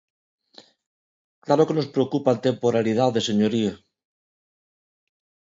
Claro que nos preocupa a temporalidade, señoría.